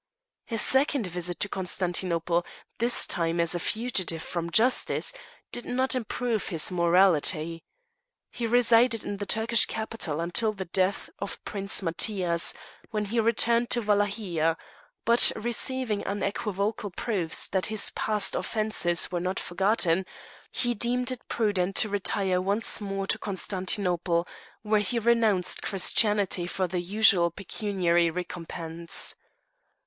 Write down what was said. A second visit to Constantinople, this time as a fugitive from justice, did not improve his morality. He resided in the Turkish capital until the death of Prince Matthias, when he returned to Wallachia; but receiving unequivocal proofs that his past offences were not forgotten, he deemed it prudent to retire once more to Constantinople, where he renounced Christianity for the usual pecuniary recompense.